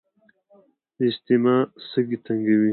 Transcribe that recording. د اسثما سږي تنګوي.